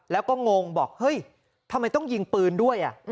แล้วก็งงบอกเฮ้ยทำไมต้องยิงปืนด้วย